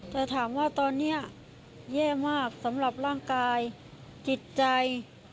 แต่ถามว่าตอนนี้แย่มากสำหรับร่างกายจิตใจ